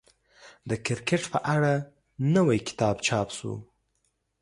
د کرکټ په اړه نوی کتاب چاپ شو.